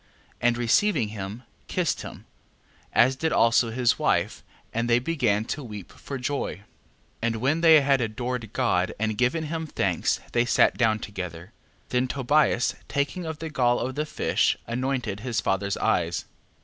11:11. And receiving him kissed him, as did also his wife, and they began to weep for joy. 11:12. And when they had adored God, and given him thanks, they sat down together. 11:13. Then Tobias taking of the gall of the fish, anointed his father's eyes.